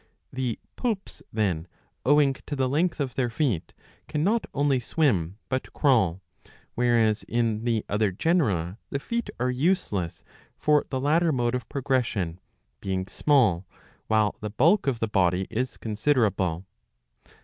^^ jhe Poulps, then, owing to the length of their feet, can not only swim but crawl, whereas in the other genera the feet are useless for the latter mode of progression, being small while the bulk of thfe body is considerable.